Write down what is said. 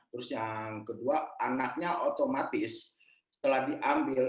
terus yang kedua anaknya otomatis setelah diambil